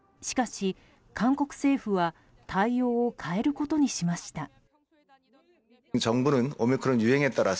しかし、韓国政府は対応を変えることにしました。